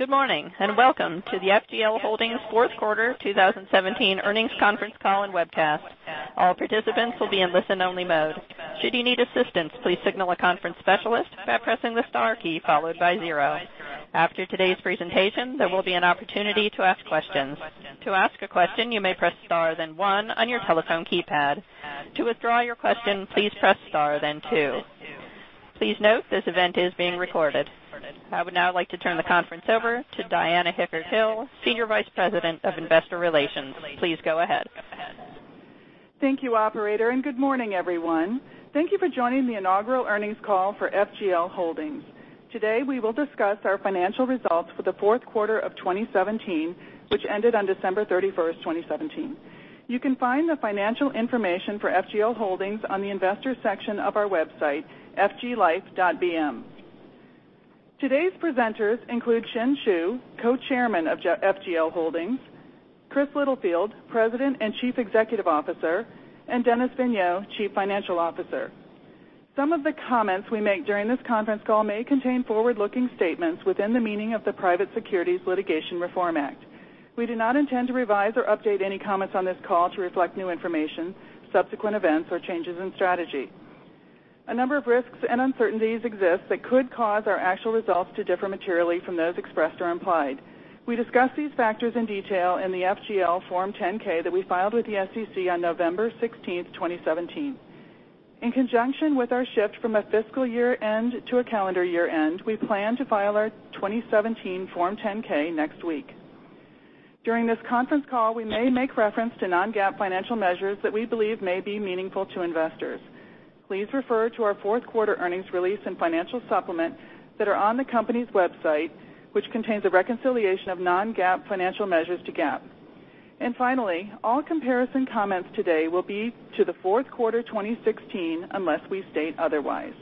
Good morning, and welcome to the FGL Holdings fourth quarter 2017 earnings conference call and webcast. All participants will be in listen only mode. Should you need assistance, please signal a conference specialist by pressing the star key followed by zero. After today's presentation, there will be an opportunity to ask questions. To ask a question, you may press star, then one on your telephone keypad. To withdraw your question, please press star, then two. Please note this event is being recorded. I would now like to turn the conference over to Diana Hickert-Hill, Senior Vice President of Investor Relations. Please go ahead. Thank you, operator, and good morning, everyone. Thank you for joining the inaugural earnings call for FGL Holdings. Today, we will discuss our financial results for the fourth quarter of 2017, which ended on December 31st, 2017. You can find the financial information for FGL Holdings on the investor section of our website, fglife.bm. Today's presenters include Chin Chu, Co-Chairman of FGL Holdings, Chris Littlefield, President and Chief Executive Officer, and Dennis Vigneau, Chief Financial Officer. Some of the comments we make during this conference call may contain forward-looking statements within the meaning of the Private Securities Litigation Reform Act. We do not intend to revise or update any comments on this call to reflect new information, subsequent events, or changes in strategy. A number of risks and uncertainties exist that could cause our actual results to differ materially from those expressed or implied. We discuss these factors in detail in the FGL Form 10-K that we filed with the SEC on November 16th, 2017. In conjunction with our shift from a fiscal year-end to a calendar year-end, we plan to file our 2017 Form 10-K next week. During this conference call, we may make reference to non-GAAP financial measures that we believe may be meaningful to investors. Please refer to our fourth quarter earnings release and financial supplement that are on the company's website, which contains a reconciliation of non-GAAP financial measures to GAAP. Finally, all comparison comments today will be to the fourth quarter 2016, unless we state otherwise.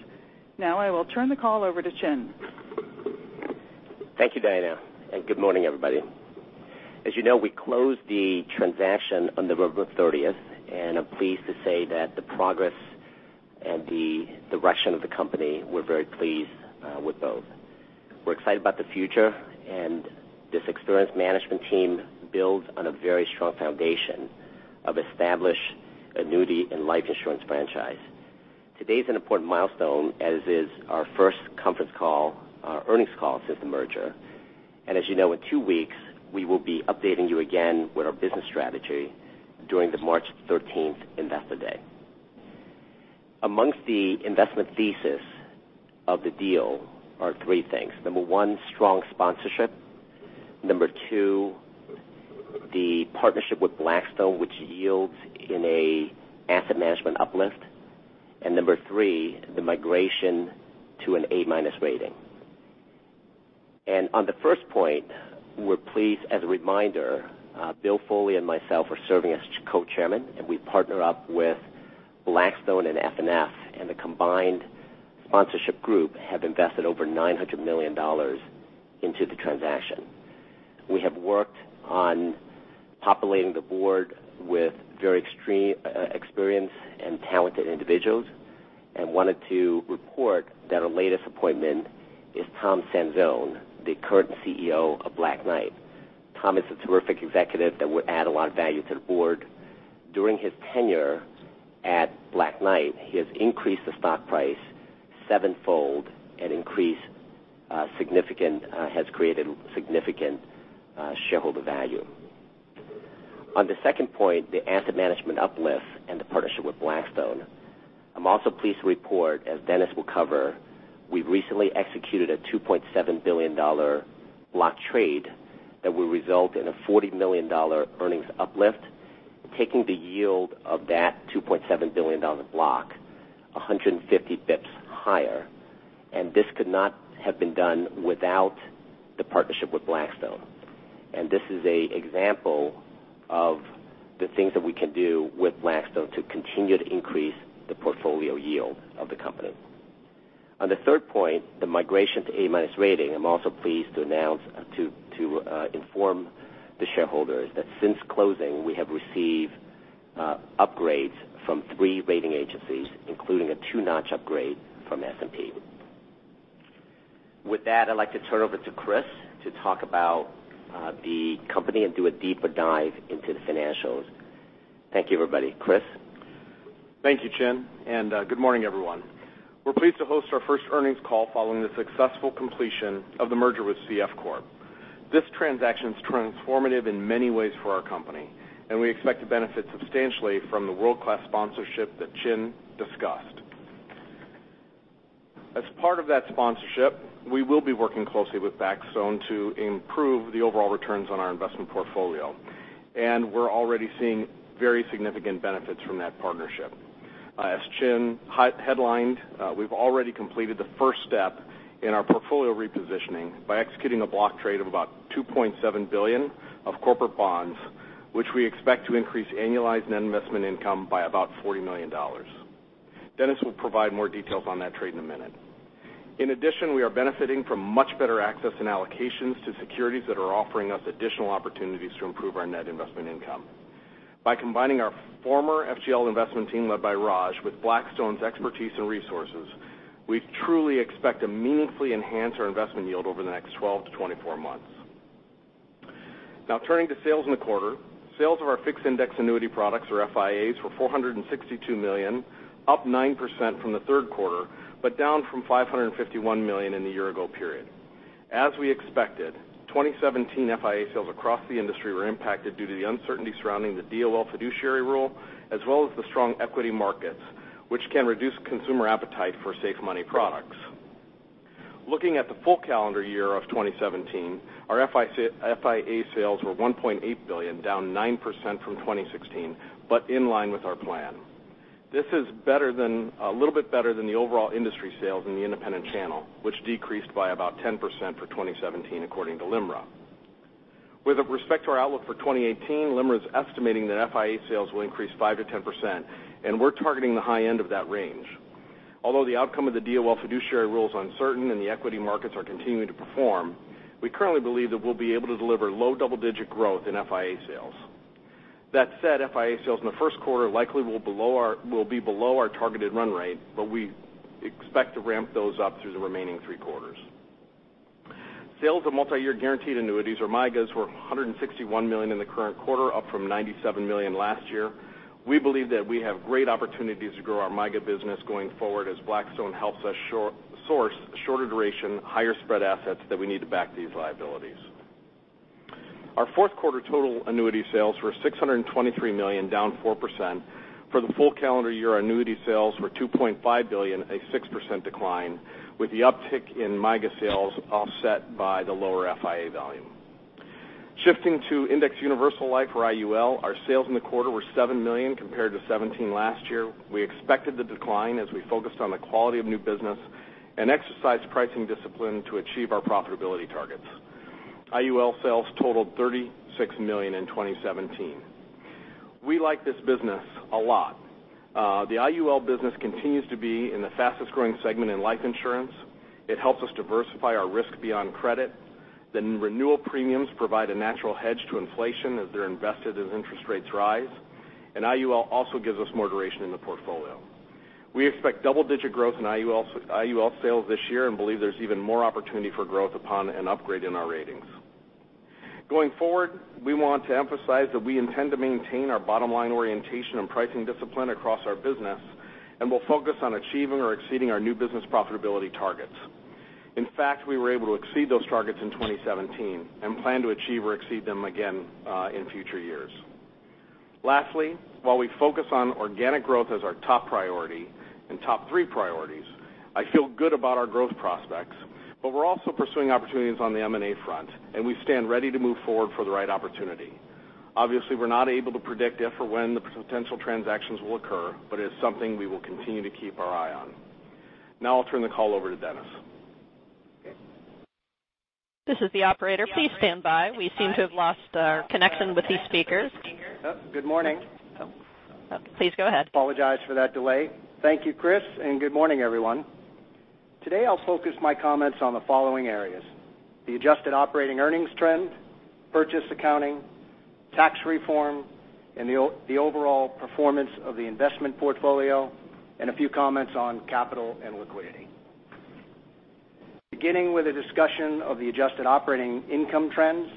Now, I will turn the call over to Chin. Thank you, Diana, and good morning, everybody. As you know, we closed the transaction on November 30th, and I'm pleased to say that the progress and the direction of the company, we're very pleased with both. We're excited about the future, and this experienced management team builds on a very strong foundation of established annuity and life insurance franchise. Today's an important milestone, as is our first conference call, our earnings call since the merger. As you know, in two weeks, we will be updating you again with our business strategy during the March 13th investor day. Amongst the investment thesis of the deal are three things. Number one, strong sponsorship. Number two, the partnership with Blackstone, which yields in a asset management uplift. Number three, the migration to an A-minus rating. On the first point, we're pleased, as a reminder, Bill Foley and myself are serving as Co-Chairman, and we partner up with Blackstone and FNF, and the combined sponsorship group have invested over $900 million into the transaction. We have worked on populating the board with very experienced and talented individuals and wanted to report that our latest appointment is Tom Sanzone, the current CEO of Black Knight, Inc. Tom is a terrific executive that will add a lot of value to the board. During his tenure at Black Knight, Inc., he has increased the stock price sevenfold and has created significant shareholder value. On the second point, the asset management uplift and the partnership with Blackstone, I'm also pleased to report, as Dennis will cover, we recently executed a $2.7 billion block trade that will result in a $40 million earnings uplift, taking the yield of that $2.7 billion block 150 basis points higher. This could not have been done without the partnership with Blackstone. This is an example of the things that we can do with Blackstone to continue to increase the portfolio yield of the company. On the third point, the migration to A-minus rating, I'm also pleased to inform the shareholders that since closing, we have received upgrades from three rating agencies, including a two-notch upgrade from S&P. With that, I'd like to turn over to Chris to talk about the company and do a deeper dive into the financials. Thank you, everybody. Chris? Thank you, Chin. Good morning, everyone. We're pleased to host our first earnings call following the successful completion of the merger with CF Corp. This transaction's transformative in many ways for our company, and we expect to benefit substantially from the world-class sponsorship that Chin discussed. As part of that sponsorship, we will be working closely with Blackstone to improve the overall returns on our investment portfolio. We're already seeing very significant benefits from that partnership. As Chin headlined, we've already completed the first step in our portfolio repositioning by executing a block trade of about $2.7 billion of corporate bonds, which we expect to increase annualized net investment income by about $40 million. Dennis will provide more details on that trade in a minute. In addition, we are benefiting from much better access and allocations to securities that are offering us additional opportunities to improve our net investment income. By combining our former FGL investment team led by Raj with Blackstone's expertise and resources, we truly expect to meaningfully enhance our investment yield over the next 12 to 24 months. Turning to sales in the quarter. Sales of our fixed indexed annuity products, or FIAs, were $462 million, up 9% from the third quarter, but down from $551 million in the year-ago period. As we expected, 2017 FIA sales across the industry were impacted due to the uncertainty surrounding the DOL fiduciary rule, as well as the strong equity markets, which can reduce consumer appetite for safe money products. Looking at the full calendar year of 2017, our FIA sales were $1.8 billion, down 9% from 2016, but in line with our plan. This is a little bit better than the overall industry sales in the independent channel, which decreased by about 10% for 2017 according to LIMRA. With respect to our outlook for 2018, LIMRA's estimating that FIA sales will increase 5%-10%, and we're targeting the high end of that range. Although the outcome of the DOL fiduciary rule is uncertain and the equity markets are continuing to perform, we currently believe that we'll be able to deliver low double-digit growth in FIA sales. That said, FIA sales in the first quarter likely will be below our targeted run rate, but we expect to ramp those up through the remaining three quarters. Sales of multi-year guarantee annuities, or MYGAs, were $161 million in the current quarter, up from $197 million last year. We believe that we have great opportunities to grow our MYGA business going forward as Blackstone helps us source shorter duration, higher spread assets that we need to back these liabilities. Our fourth quarter total annuity sales were $623 million, down 4%. For the full calendar year, annuity sales were $2.5 billion, a 6% decline, with the uptick in MYGA sales offset by the lower FIA volume. Shifting to indexed universal life, or IUL, our sales in the quarter were $7 million compared to $17 million last year. We expected the decline as we focused on the quality of new business and exercised pricing discipline to achieve our profitability targets. IUL sales totaled $36 million in 2017. We like this business a lot. The IUL business continues to be in the fastest-growing segment in life insurance. It helps us diversify our risk beyond credit. The renewal premiums provide a natural hedge to inflation as they're invested as interest rates rise. IUL also gives us more duration in the portfolio. We expect double-digit growth in IUL sales this year and believe there's even more opportunity for growth upon an upgrade in our ratings. Going forward, we want to emphasize that we intend to maintain our bottom-line orientation and pricing discipline across our business. We'll focus on achieving or exceeding our new business profitability targets. In fact, we were able to exceed those targets in 2017 and plan to achieve or exceed them again in future years. Lastly, while we focus on organic growth as our top priority and top three priorities, I feel good about our growth prospects, but we're also pursuing opportunities on the M&A front. We stand ready to move forward for the right opportunity. Obviously, we're not able to predict if or when the potential transactions will occur, but it is something we will continue to keep our eye on. Now I'll turn the call over to Dennis. This is the operator. Please stand by. We seem to have lost our connection with the speakers. Good morning. Please go ahead. Apologize for that delay. Thank you, Chris, and good morning, everyone. Today I'll focus my comments on the following areas: the adjusted operating earnings trend, purchase accounting, tax reform, and the overall performance of the investment portfolio, and a few comments on capital and liquidity. Beginning with a discussion of the adjusted operating income trends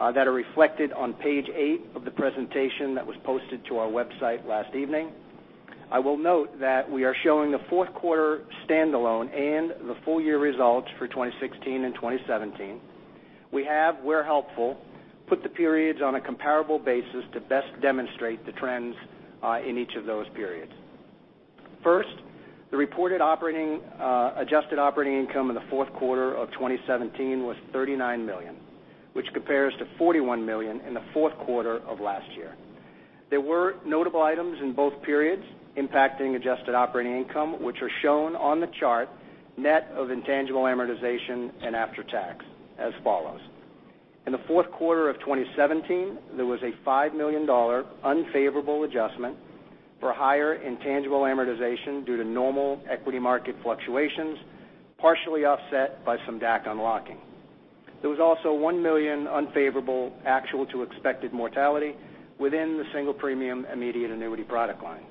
that are reflected on page eight of the presentation that was posted to our website last evening. I will note that we are showing the fourth quarter standalone and the full year results for 2016 and 2017. We have, where helpful, put the periods on a comparable basis to best demonstrate the trends in each of those periods. First, the reported adjusted operating income in the fourth quarter of 2017 was $39 million, which compares to $41 million in the fourth quarter of last year. There were notable items in both periods impacting adjusted operating income, which are shown on the chart net of intangible amortization and after-tax as follows. In the fourth quarter of 2017, there was a $5 million unfavorable adjustment for higher intangible amortization due to normal equity market fluctuations, partially offset by some DAC unlocking. There was also $1 million unfavorable actual to expected mortality within the single premium immediate annuity product line.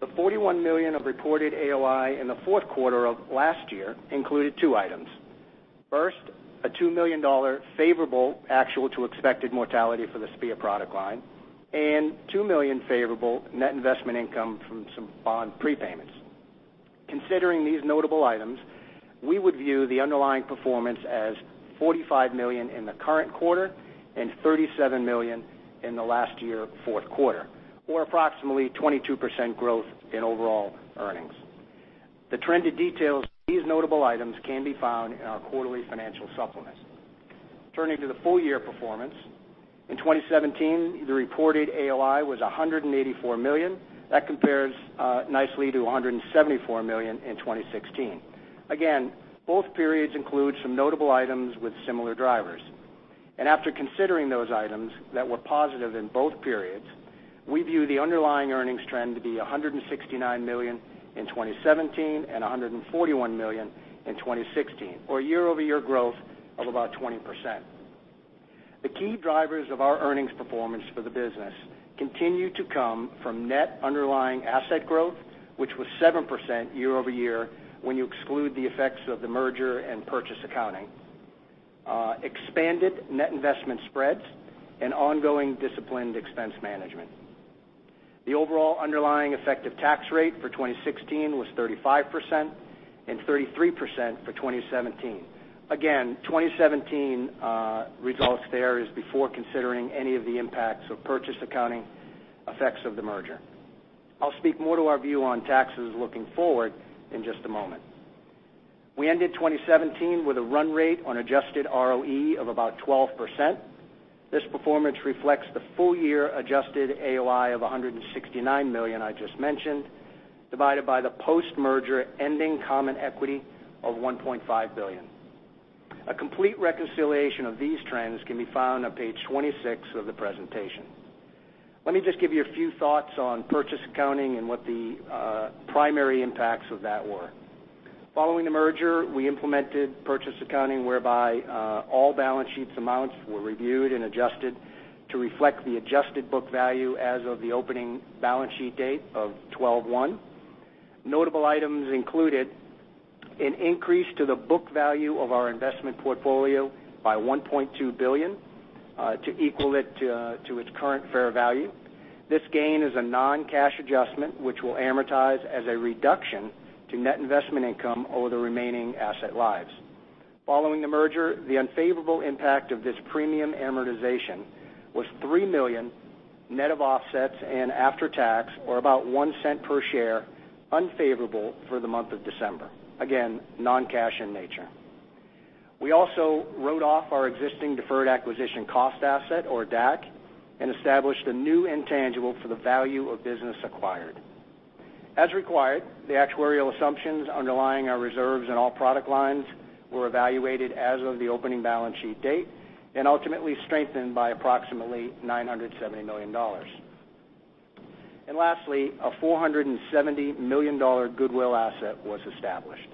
The $41 million of reported AOI in the fourth quarter of last year included two items. First, a $2 million favorable actual to expected mortality for the SPIA product line, and $2 million favorable net investment income from some bond prepayments. Considering these notable items, we would view the underlying performance as $45 million in the current quarter and $37 million in the last year fourth quarter, or approximately 22% growth in overall earnings. The trended details of these notable items can be found in our quarterly financial supplement. Turning to the full year performance. In 2017, the reported AOI was $184 million. That compares nicely to $174 million in 2016. Again, both periods include some notable items with similar drivers. After considering those items that were positive in both periods, we view the underlying earnings trend to be $169 million in 2017 and $141 million in 2016, or year-over-year growth of about 20%. The key drivers of our earnings performance for the business continue to come from net underlying asset growth, which was 7% year-over-year when you exclude the effects of the merger and purchase accounting, expanded net investment spreads, and ongoing disciplined expense management. The overall underlying effective tax rate for 2016 was 35% and 33% for 2017. Again, 2017 results there is before considering any of the impacts of purchase accounting effects of the merger. I will speak more to our view on taxes looking forward in just a moment. We ended 2017 with a run rate on adjusted ROE of about 12%. This performance reflects the full-year adjusted AOI of $169 million I just mentioned, divided by the post-merger ending common equity of $1.5 billion. A complete reconciliation of these trends can be found on page 26 of the presentation. Let me just give you a few thoughts on purchase accounting and what the primary impacts of that were. Following the merger, we implemented purchase accounting whereby all balance sheets amounts were reviewed and adjusted to reflect the adjusted book value as of the opening balance sheet date of 12/1. Notable items included an increase to the book value of our investment portfolio by $1.2 billion to equal it to its current fair value. This gain is a non-cash adjustment, which we will amortize as a reduction to net investment income over the remaining asset lives. Following the merger, the unfavorable impact of this premium amortization was $3 million net of offsets and after-tax, or about $0.01 per share unfavorable for the month of December. Again, non-cash in nature. We also wrote off our existing deferred acquisition cost asset, or DAC, and established a new intangible for the value of business acquired. As required, the actuarial assumptions underlying our reserves in all product lines were evaluated as of the opening balance sheet date and ultimately strengthened by approximately $970 million. Lastly, a $470 million goodwill asset was established.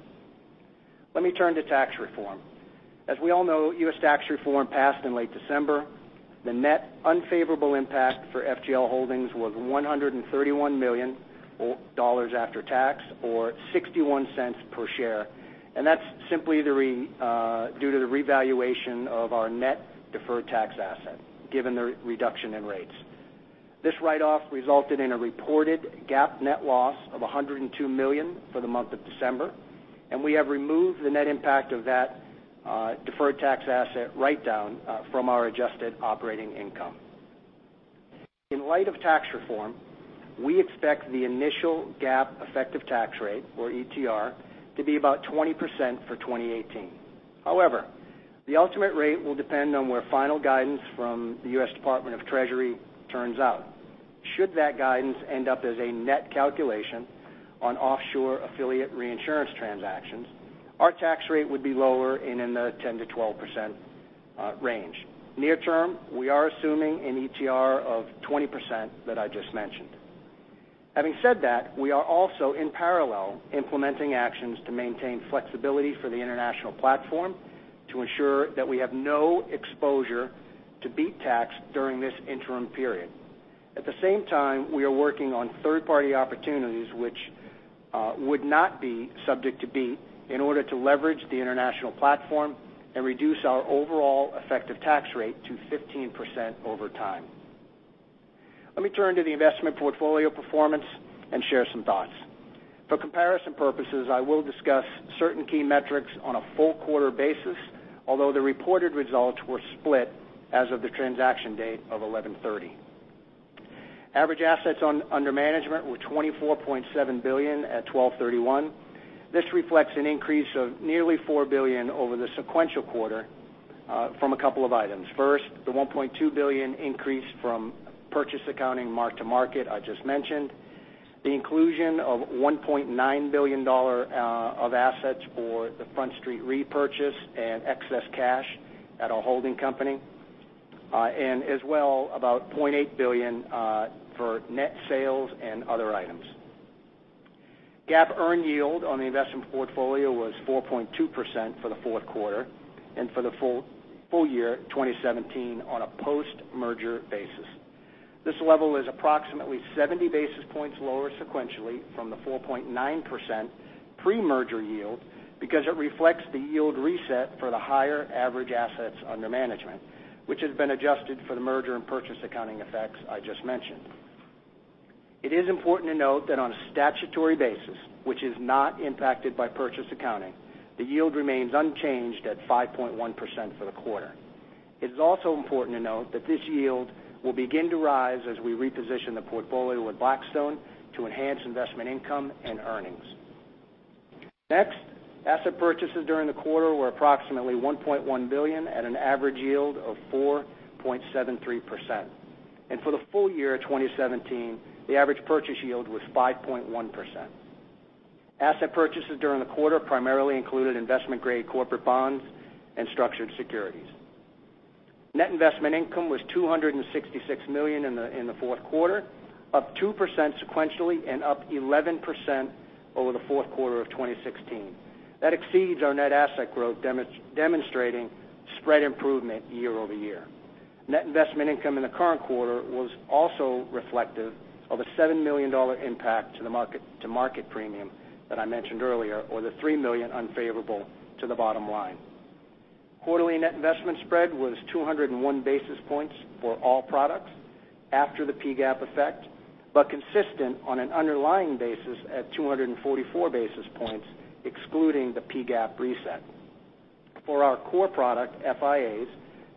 Let me turn to tax reform. As we all know, U.S. tax reform passed in late December. The net unfavorable impact for FGL Holdings was $131 million after tax, or $0.61 per share. That's simply due to the revaluation of our net deferred tax asset, given the reduction in rates. This write-off resulted in a reported GAAP net loss of $102 million for the month of December. We have removed the net impact of that deferred tax asset write-down from our adjusted operating income. In light of tax reform, we expect the initial GAAP effective tax rate, or ETR, to be about 20% for 2018. The ultimate rate will depend on where final guidance from the U.S. Department of the Treasury turns out. Should that guidance end up as a net calculation on offshore affiliate reinsurance transactions, our tax rate would be lower and in the 10%-12% range. Near term, we are assuming an ETR of 20% that I just mentioned. Having said that, we are also, in parallel, implementing actions to maintain flexibility for the international platform to ensure that we have no exposure to BEAT tax during this interim period. At the same time, we are working on third-party opportunities which would not be subject to BEAT in order to leverage the international platform and reduce our overall effective tax rate to 15% over time. Let me turn to the investment portfolio performance and share some thoughts. For comparison purposes, I will discuss certain key metrics on a full-quarter basis, although the reported results were split as of the transaction date of 11/30. Average assets under management were $24.7 billion at 12/31. This reflects an increase of nearly $4 billion over the sequential quarter from a couple of items. First, the $1.2 billion increase from purchase accounting mark-to-market I just mentioned, the inclusion of $1.9 billion of assets for the Front Street Re repurchase and excess cash at our holding company, and as well, about $0.8 billion for net sales and other items. GAAP earned yield on the investment portfolio was 4.2% for the fourth quarter and for the full year 2017 on a post-merger basis. This level is approximately 70 basis points lower sequentially from the 4.9% pre-merger yield because it reflects the yield reset for the higher average assets under management, which has been adjusted for the merger and purchase accounting effects I just mentioned. It is important to note that on a statutory basis, which is not impacted by purchase accounting, the yield remains unchanged at 5.1% for the quarter. It is also important to note that this yield will begin to rise as we reposition the portfolio with Blackstone to enhance investment income and earnings. Next, asset purchases during the quarter were approximately $1.1 billion at an average yield of 4.73%. For the full year 2017, the average purchase yield was 5.1%. Asset purchases during the quarter primarily included investment-grade corporate bonds and structured securities. Net investment income was $266 million in the fourth quarter, up 2% sequentially and up 11% over the fourth quarter of 2016. That exceeds our net asset growth, demonstrating spread improvement year-over-year. Net investment income in the current quarter was also reflective of a $7 million impact to market premium that I mentioned earlier, or the $3 million unfavorable to the bottom line. Quarterly net investment spread was 201 basis points for all products after the PGAAP effect, but consistent on an underlying basis at 244 basis points, excluding the PGAAP reset. For our core product, FIAs,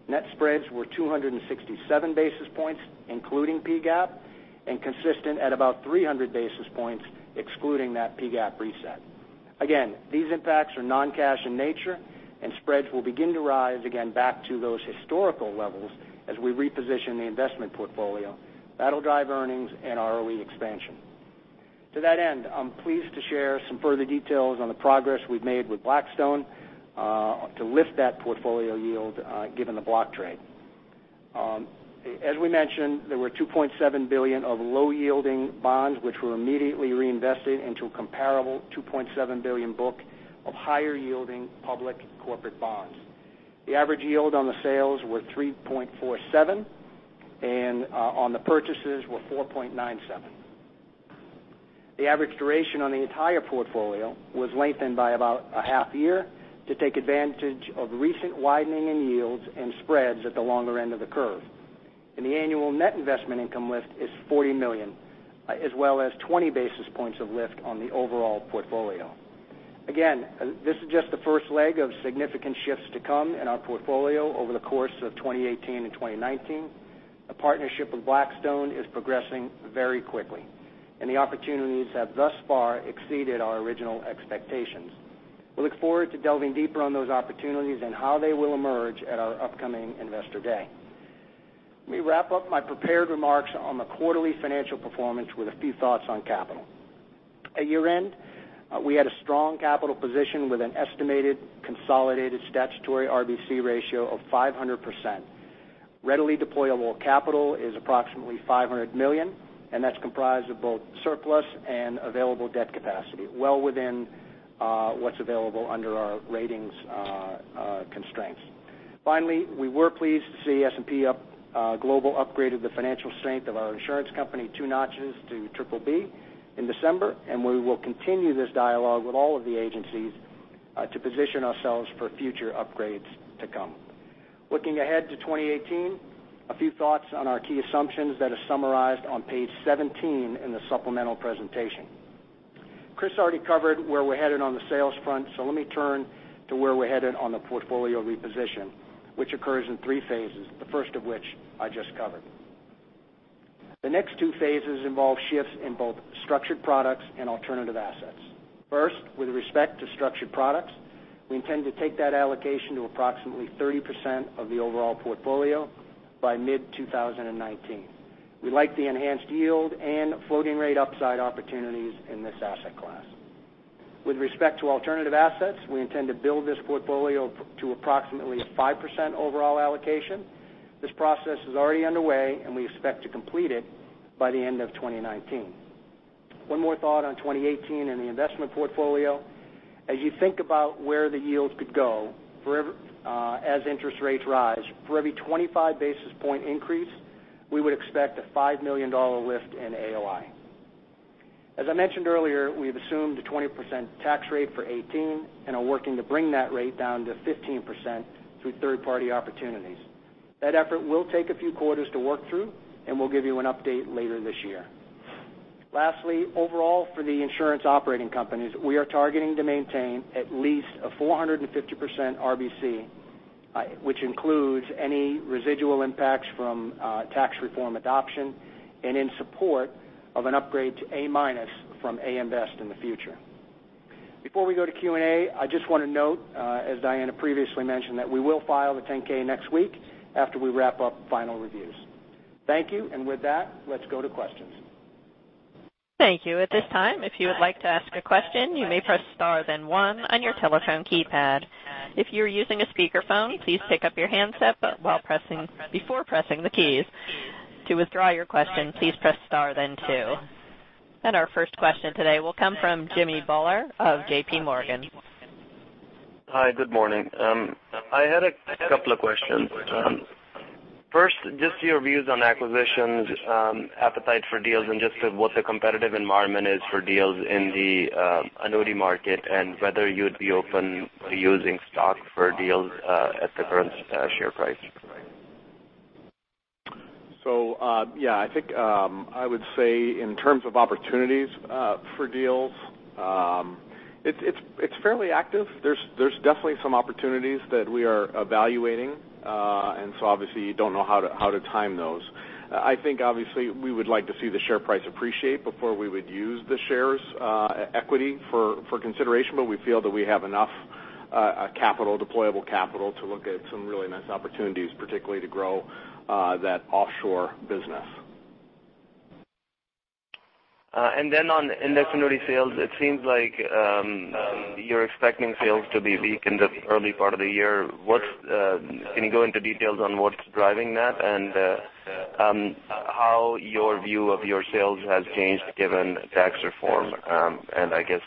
net spreads were 267 basis points, including PGAAP, and consistent at about 300 basis points, excluding that PGAAP reset. Again, these impacts are non-cash in nature, and spreads will begin to rise again back to those historical levels as we reposition the investment portfolio. That'll drive earnings and our ROE expansion. To that end, I'm pleased to share some further details on the progress we've made with Blackstone to lift that portfolio yield given the block trade. As we mentioned, there were $2.7 billion of low-yielding bonds which were immediately reinvested into a comparable $2.7 billion book of higher-yielding public corporate bonds. The average yield on the sales were 3.47, and on the purchases were 4.97. The average duration on the entire portfolio was lengthened by about a half year to take advantage of recent widening in yields and spreads at the longer end of the curve. The annual net investment income lift is $40 million, as well as 20 basis points of lift on the overall portfolio. Again, this is just the first leg of significant shifts to come in our portfolio over the course of 2018 and 2019. The partnership with Blackstone is progressing very quickly, and the opportunities have thus far exceeded our original expectations. We look forward to delving deeper on those opportunities and how they will emerge at our upcoming Investor Day. Let me wrap up my prepared remarks on the quarterly financial performance with a few thoughts on capital. At year-end, we had a strong capital position with an estimated consolidated statutory RBC ratio of 500%. Readily deployable capital is approximately $500 million, and that's comprised of both surplus and available debt capacity, well within what's available under our ratings constraints. Finally, we were pleased to see S&P Global upgraded the financial strength of our insurance company two notches to triple B in December, and we will continue this dialogue with all of the agencies to position ourselves for future upgrades to come. Looking ahead to 2018, a few thoughts on our key assumptions that are summarized on page 17 in the supplemental presentation. Chris already covered where we're headed on the sales front, so let me turn to where we're headed on the portfolio reposition, which occurs in three phases, the first of which I just covered. The next two phases involve shifts in both structured products and alternative assets. First, with respect to structured products, we intend to take that allocation to approximately 30% of the overall portfolio by mid-2019. We like the enhanced yield and floating rate upside opportunities in this asset class. With respect to alternative assets, we intend to build this portfolio to approximately 5% overall allocation. This process is already underway, and we expect to complete it by the end of 2019. One more thought on 2018 and the investment portfolio. As you think about where the yields could go as interest rates rise, for every 25 basis point increase, we would expect a $5 million lift in AOI. As I mentioned earlier, we've assumed a 20% tax rate for 2018 and are working to bring that rate down to 15% through third-party opportunities. That effort will take a few quarters to work through, and we'll give you an update later this year. Lastly, overall for the insurance operating companies, we are targeting to maintain at least a 450% RBC, which includes any residual impacts from tax reform adoption and in support of an upgrade to A- from AM Best in the future. Before we go to Q&A, I just want to note, as Diana previously mentioned, that we will file the 10-K next week after we wrap up final reviews. Thank you. With that, let's go to questions. Thank you. At this time, if you would like to ask a question, you may press star then one on your telephone keypad. If you're using a speakerphone, please pick up your handset before pressing the keys. To withdraw your question, please press star then two. Our first question today will come from Jimmy Bhullar of JPMorgan. Hi. Good morning. I had a couple of questions. First, just your views on acquisitions, appetite for deals, and just what the competitive environment is for deals in the annuity market and whether you'd be open to using stock for deals at the current share price. Yeah. I think I would say in terms of opportunities for deals, it's fairly active. There's definitely some opportunities that we are evaluating, obviously you don't know how to time those. I think obviously we would like to see the share price appreciate before we would use the shares equity for consideration, we feel that we have enough deployable capital to look at some really nice opportunities, particularly to grow that offshore business. On index annuity sales, it seems like you're expecting sales to be weak in the early part of the year. Can you go into details on what's driving that, and how your view of your sales has changed given tax reform, and I guess,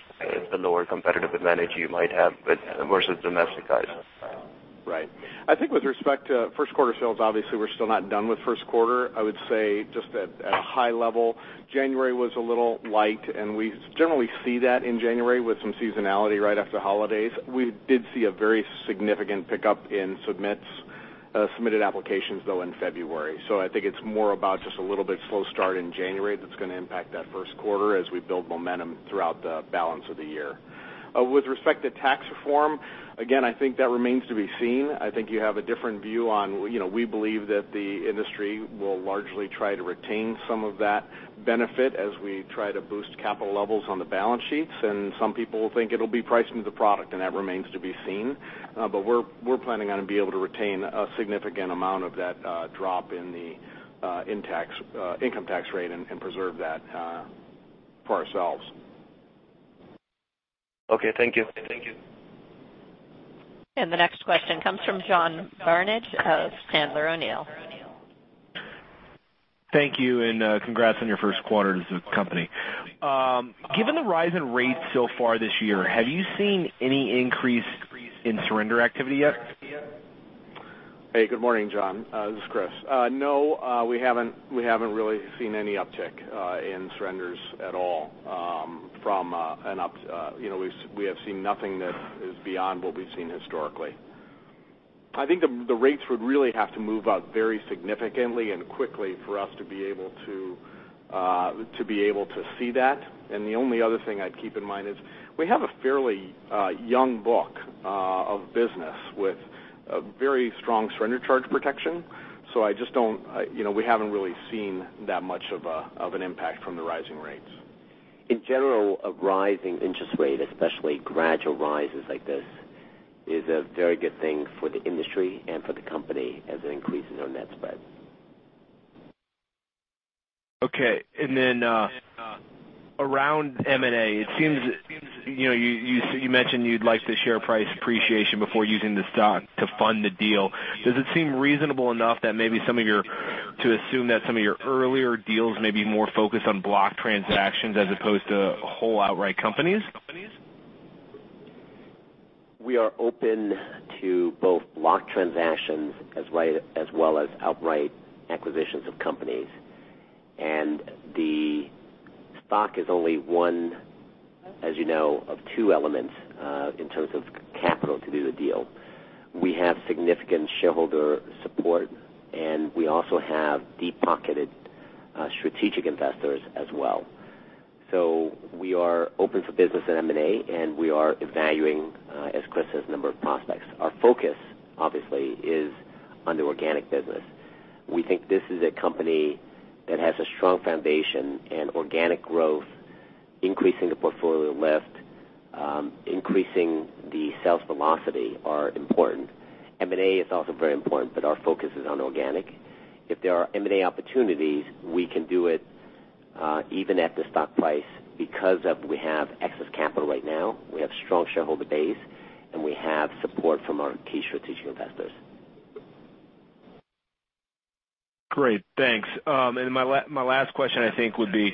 the lower competitive advantage you might have versus domestic guys? Right. I think with respect to first quarter sales, obviously, we're still not done with first quarter. I would say just at a high level, January was a little light, and we generally see that in January with some seasonality right after holidays. We did see a very significant pickup in submitted applications, though, in February. I think it's more about just a little bit slow start in January that's going to impact that first quarter as we build momentum throughout the balance of the year. With respect to tax reform, again, I think that remains to be seen. We believe that the industry will largely try to retain some of that benefit as we try to boost capital levels on the balance sheets, and some people think it'll be priced into the product, and that remains to be seen. We're planning on being able to retain a significant amount of that drop in the income tax rate and preserve that for ourselves. Okay. Thank you. The next question comes from John Barnidge of Sandler O'Neill. Thank you. Congrats on your first quarter as a company. Given the rise in rates so far this year, have you seen any increase in surrender activity yet? Hey, good morning, John. This is Chris. We haven't really seen any uptick in surrenders at all. We have seen nothing that is beyond what we've seen historically. I think the rates would really have to move up very significantly and quickly for us to be able to see that. The only other thing I'd keep in mind is we have a fairly young book of business with very strong surrender charge protection. We haven't really seen that much of an impact from the rising rates. In general, a rising interest rate, especially gradual rises like this, is a very good thing for the industry and for the company as it increases our net spread. Okay. Around M&A, you mentioned you'd like the share price appreciation before using the stock to fund the deal. Does it seem reasonable enough to assume that some of your earlier deals may be more focused on block transactions as opposed to whole outright companies? We are open to both block transactions as well as outright acquisitions of companies. The stock is only one, as you know, of two elements in terms of capital to do the deal. We have significant shareholder support. We also have deep-pocketed strategic investors as well. We are open for business in M&A. We are evaluating, as Chris says, a number of prospects. Our focus, obviously, is on the organic business. We think this is a company that has a strong foundation and organic growth, increasing the portfolio lift, increasing the sales velocity are important. M&A is also very important. Our focus is on organic. If there are M&A opportunities, we can do it even at the stock price because we have excess capital right now, we have strong shareholder base, and we have support from our key strategic investors. Great. Thanks. My last question, I think, would be,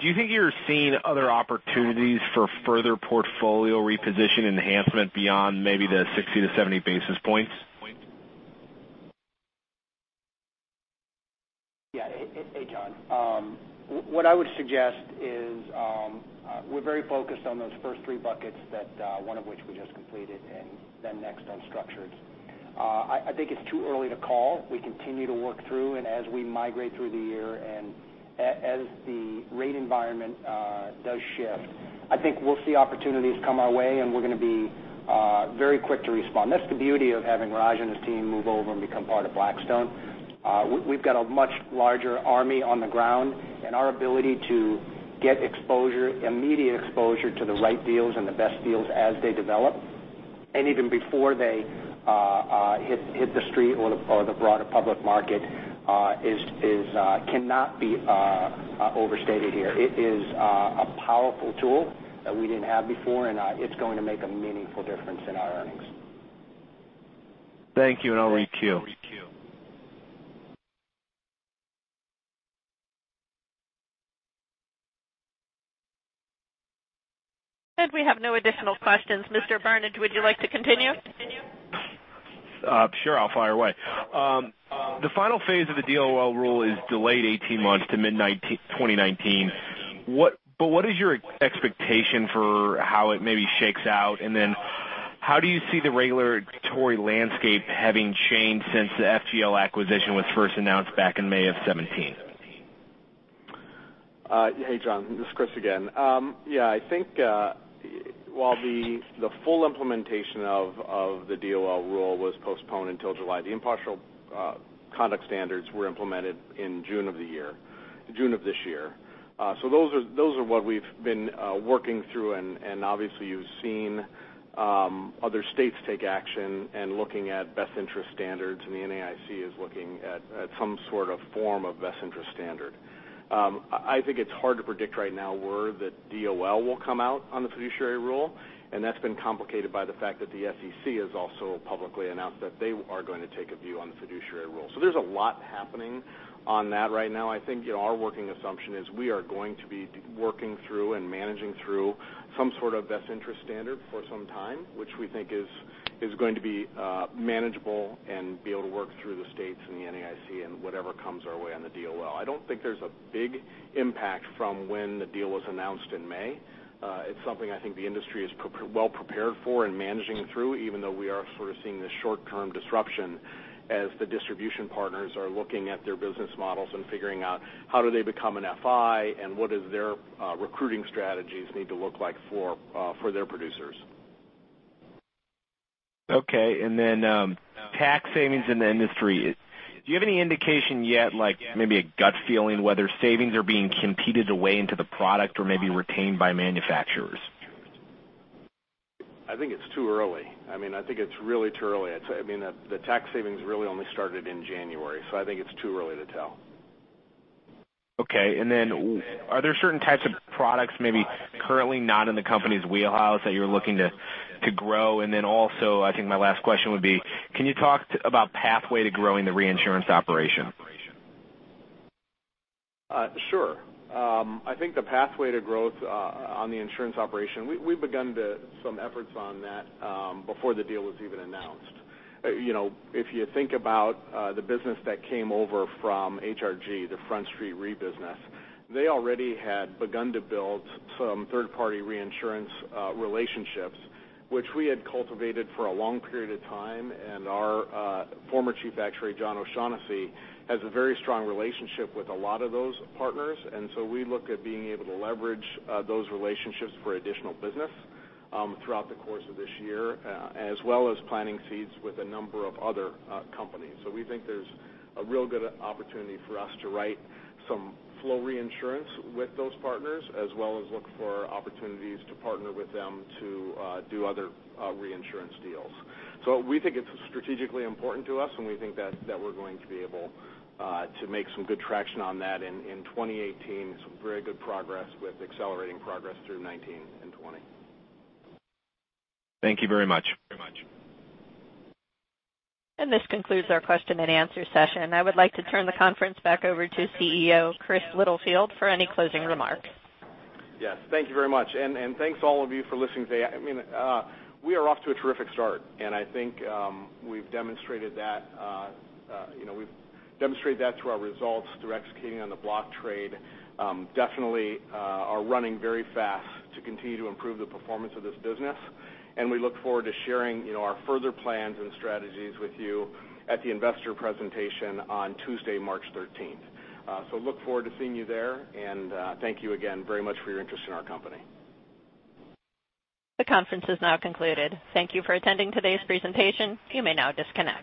do you think you're seeing other opportunities for further portfolio reposition enhancement beyond maybe the 60-70 basis points? Yeah. Hey, John. What I would suggest is we're very focused on those first three buckets, one of which we just completed, next on structures. I think it's too early to call. We continue to work through. As we migrate through the year and as the rate environment does shift, I think we'll see opportunities come our way, and we're going to be very quick to respond. That's the beauty of having Raj and his team move over and become part of Blackstone. We've got a much larger army on the ground. Our ability to get immediate exposure to the right deals and the best deals as they develop, and even before they hit the street or the broader public market, cannot be overstated here. It is a powerful tool that we didn't have before. It's going to make a meaningful difference in our earnings. Thank you. I'll re-queue. We have no additional questions. Mr. Barnidge, would you like to continue? Sure. I'll fire away. The final phase of the DOL rule is delayed 18 months to mid-2019. What is your expectation for how it maybe shakes out? How do you see the regulatory landscape having changed since the FGL acquisition was first announced back in May 2017? Hey, John. This is Chris again. Yeah, I think while the full implementation of the DOL rule was postponed until July, the impartial conduct standards were implemented in June of this year. Those are what we've been working through, and obviously, you've seen other states take action and looking at best interest standards, and the NAIC is looking at some sort of form of best interest standard. I think it's hard to predict right now where the DOL will come out on the fiduciary rule, and that's been complicated by the fact that the SEC has also publicly announced that they are going to take a view on the fiduciary rule. There's a lot happening on that right now. I think our working assumption is we are going to be working through and managing through some sort of best interest standard for some time, which we think is going to be manageable and be able to work through the states and the NAIC and whatever comes our way on the DOL. I don't think there's a big impact from when the deal was announced in May. It's something I think the industry is well prepared for and managing through, even though we are sort of seeing this short-term disruption as the distribution partners are looking at their business models and figuring out how do they become an FI and what does their recruiting strategies need to look like for their producers. Okay. Tax savings in the industry. Do you have any indication yet, like maybe a gut feeling, whether savings are being competed away into the product or maybe retained by manufacturers? I think it's too early. I think it's really too early. The tax savings really only started in January, so I think it's too early to tell. Okay. Are there certain types of products maybe currently not in the company's wheelhouse that you're looking to grow? Also, I think my last question would be, can you talk about pathway to growing the reinsurance operation? Sure. I think the pathway to growth on the insurance operation, we've begun some efforts on that before the deal was even announced. If you think about the business that came over from HRG, the Front Street Re business, they already had begun to build some third-party reinsurance relationships which we had cultivated for a long period of time, and our former chief actuary, John O'Shaughnessy, has a very strong relationship with a lot of those partners. We look at being able to leverage those relationships for additional business throughout the course of this year, as well as planting seeds with a number of other companies. We think there's a real good opportunity for us to write some flow reinsurance with those partners, as well as look for opportunities to partner with them to do other reinsurance deals. We think it's strategically important to us, and we think that we're going to be able to make some good traction on that in 2018, some very good progress with accelerating progress through 2019 and 2020. Thank you very much. This concludes our question and answer session. I would like to turn the conference back over to CEO Chris Littlefield for any closing remarks. Yes. Thank you very much. Thanks all of you for listening today. We are off to a terrific start, and I think we've demonstrated that through our results, through executing on the block trade, definitely are running very fast to continue to improve the performance of this business. We look forward to sharing our further plans and strategies with you at the investor presentation on Tuesday, March 13th. Look forward to seeing you there, and thank you again very much for your interest in our company. The conference is now concluded. Thank you for attending today's presentation. You may now disconnect.